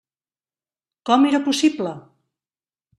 Com era possible?